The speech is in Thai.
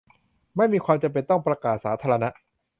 ไม่มีความจำเป็นต้องประกาศสาธารณะ